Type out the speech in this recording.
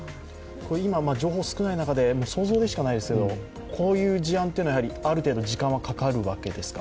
今、情報少ないままで、想像でしかないですが、こういう事案というのはある程度時間はかかるわけですか。